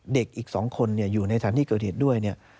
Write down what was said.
เด็กอีกสองคนอยู่ในฐานที่เกิดเหตุด้วย